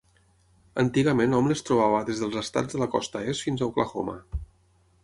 Antigament hom les trobava des dels estats de la Costa Est fins a Oklahoma.